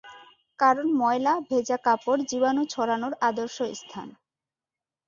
কারণ ময়লা, ভেজা কাপড় জীবাণু ছড়ানোর আদর্শ স্থান।